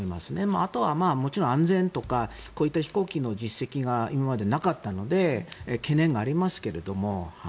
あとはもちろん安全とかこういった飛行機の実績とかが今までなかったので懸念がありますけれども。